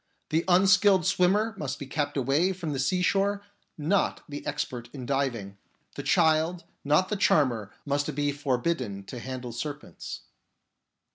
The un skilled swimmer must be kept away from the sea shore, not the expert in diving. The child, not the charmer, must be forbidden to handle serpents.